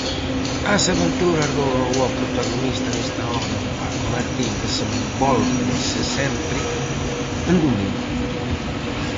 As aventuras do robot protagonista desta obra de Paco Martín desenvólvense sempre en domingo.